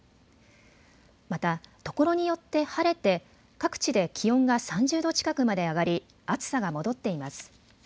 また、ところによって晴れて各地で気温が３０度近くまで上がり暑さが戻っています。